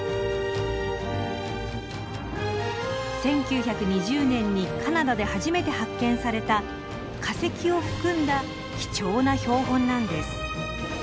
１９２０年にカナダで初めて発見された化石を含んだ貴重な標本なんです。